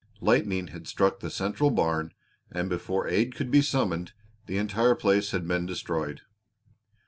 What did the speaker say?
Lightning had struck the central barn, and before aid could be summoned the entire place had been destroyed.